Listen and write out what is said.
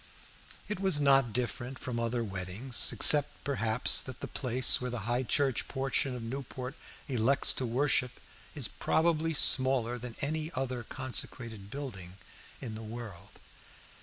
It was not different from other weddings, excepting perhaps that the place where the High Church portion of Newport elects to worship is probably smaller than any other consecrated building in the world.